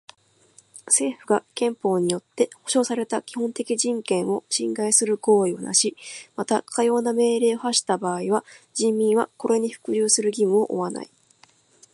政府が憲法によって保障された基本的人権を侵害する行為をなし、またかような命令を発した場合は人民はこれに服従する義務を負わない。